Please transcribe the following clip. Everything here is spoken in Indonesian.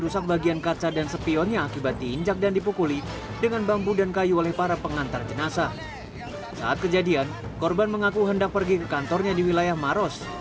saat kejadian korban mengaku hendak pergi ke kantornya di wilayah maros